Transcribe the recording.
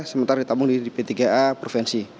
sementara ditampung di dp tiga a provinsi